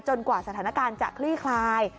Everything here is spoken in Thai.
กว่าสถานการณ์จะคลี่คลาย